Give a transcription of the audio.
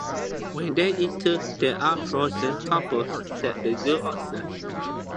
When they enter there are frozen couples that the girls observe.